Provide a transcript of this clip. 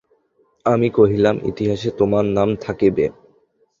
আমি কহিলাম, ইতিহাসে তোমার নাম থাকিবে।